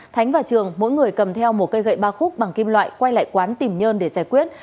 thánh và trường mỗi người cầm theo một cây gậy ba khúc bằng kim loại quay lại quán tìm nhân để giải quyết